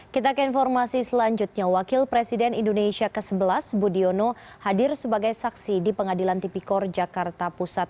kita ke informasi selanjutnya wakil presiden indonesia ke sebelas budiono hadir sebagai saksi di pengadilan tipikor jakarta pusat